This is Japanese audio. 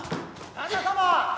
旦那様！